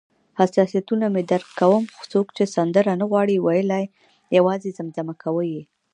حساسیتونه مې درک کوم، څوک چې سندره نه غواړي ویلای، یوازې زمزمه کوي یې.